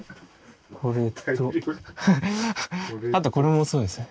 これとあとこれもそうですね。